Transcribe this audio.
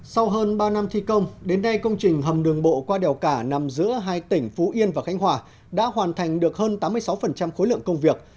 sau hơn ba năm thi công đến nay công trình hầm đường bộ qua đèo cả nằm giữa hai tỉnh phú yên và khánh hòa đã hoàn thành được hơn tám mươi sáu khối lượng công việc